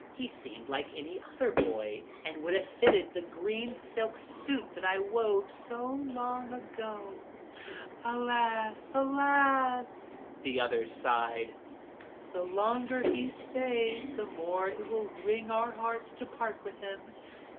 "He seemed like any other boy, and would just have fitted the green silk suit that I wove so long ago." "Alas, alas!" the others sighed. "The longer he stays, the more it will wring our hearts to part with him.